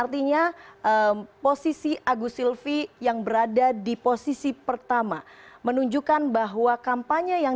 dan di dua puluh tahun